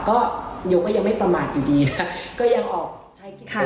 ก็โยก็ยังไม่ประมาทอยู่ดีนะคะ